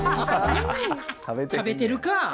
食べてるか。